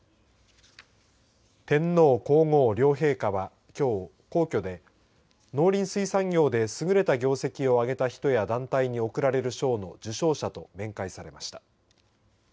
天皇皇后両陛下はきょう皇居で農林水産業ですぐれた業績を挙げた人や団体に贈られる賞の受賞者と面会されました。